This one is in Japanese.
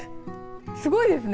すごいですね。